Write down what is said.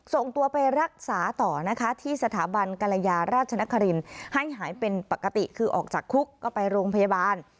ส่งตัวไปรักษาต่อนะคะที่สถาบันกรยาราชนครินให้หายเป็นปกติคือออกจากคุกก็ไปโรงพยาบาล